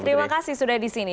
terima kasih sudah di sini